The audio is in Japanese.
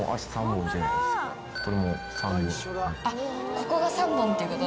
ここが３本っていうこと？